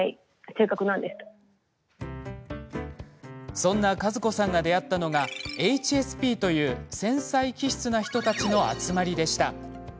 そんな加珠子さんが出会ったのがＨＳＰという繊細気質な人たちの集まりでした。